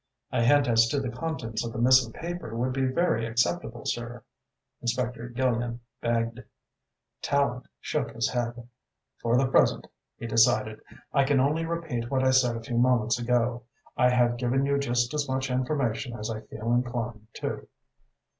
"A hint as to the contents of the missing paper would be very acceptable, sir," Inspector Gillian begged. Tallente shook his head. "For the present," he decided, "I can only repeat what I said a few moments ago I have given you just as much information as I feel inclined to."